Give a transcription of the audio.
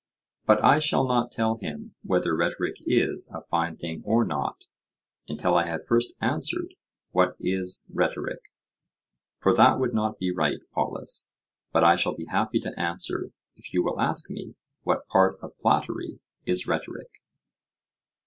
But I shall not tell him whether rhetoric is a fine thing or not, until I have first answered, "What is rhetoric?" For that would not be right, Polus; but I shall be happy to answer, if you will ask me, What part of flattery is rhetoric?